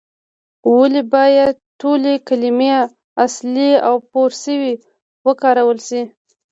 ولې باید ټولې کلمې اصلي او پورشوي وکارول شي؟